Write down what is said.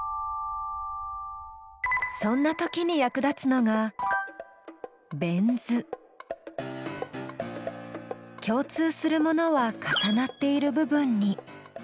そんなときに役立つのが共通するものは重なっている部分に。